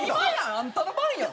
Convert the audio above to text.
あんたの番やん！